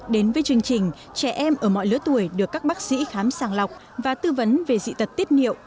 đến với chương trình trẻ em ở mọi lứa tuổi được các bác sĩ khám sàng lọc và tư vấn về dị tật tiết niệu